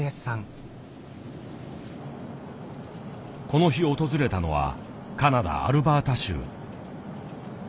この日訪れたのはカナダ・アルバータ州。